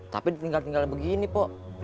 tapi tinggal tinggalnya begini pak